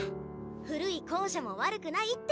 古い校舎も悪くないって。